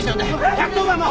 １１０番も！